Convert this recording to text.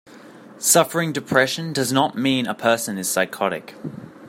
Suffering depression does not mean a person is psychotic.